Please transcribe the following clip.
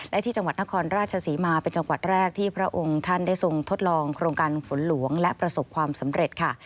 และที่จังหวัดนครราชศรีมาเป็นจังหวัดแรกที่พระองค์ท่านได้ทรงทดลองโครงการฝนหลวงและประสบความสำเร็จค่ะ